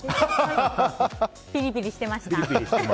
ピリピリしてました。